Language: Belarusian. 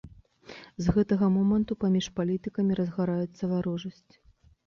З гэтага моманту паміж палітыкамі разгараецца варожасць.